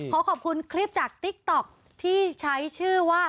ขอขอบคุณคลิปจากติ๊กต๊อกที่ใช้ชื่อว่า